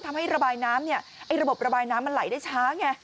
ทำให้ระบายน้ำเนี่ยไอ้ระบบระบายน้ำมันไหลได้ช้าไง